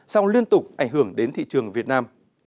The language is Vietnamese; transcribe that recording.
song liên tục ảnh hưởng đến thị trường việt nam